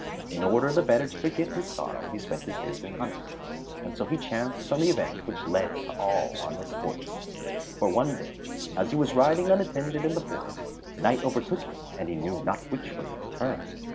In order the better to forget his sorrow he spent his days in hunting, and so he chanced on the event which led to all our misfortunes. For one day, as he was riding unattended in the forest, night overtook him and he knew not which way to turn.